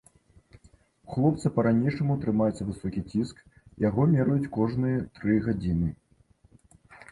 У хлопца па-ранейшаму трымаецца высокі ціск, яго мераюць кожныя тры гадзіны.